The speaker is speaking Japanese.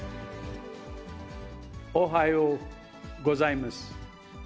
おはようございます。